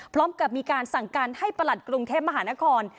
พร้อมกับมีการสั่งการให้ประหลัดกรุงเทพมหานคร